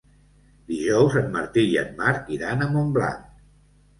Dijous en Martí i en Marc iran a Montblanc.